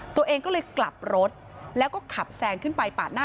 ตัวเองก็เลยกลับรถแล้วก็ขับแซงขึ้นไปปาดหน้า